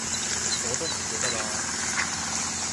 我都唔記得喇